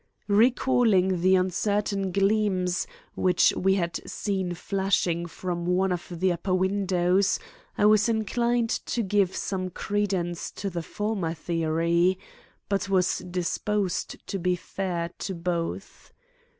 Recalling the uncertain gleams which we had seen flashing from one of the upper windows, I was inclined to give some credence to the former theory, but was disposed to be fair to both.